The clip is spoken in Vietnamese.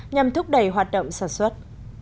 nhằm thúc đẩy hoạt động sản xuất